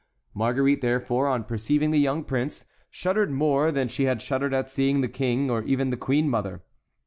Marguerite, therefore, on perceiving the young prince, shuddered more than she had shuddered at seeing the King or even the queen mother.